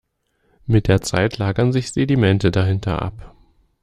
Mit der Zeit lagern sich Sedimente dahinter ab.